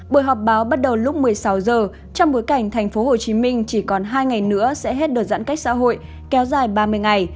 buổi họp báo bắt đầu lúc một mươi sáu h trong bối cảnh tp hcm chỉ còn hai ngày nữa sẽ hết đợt giãn cách xã hội kéo dài ba mươi ngày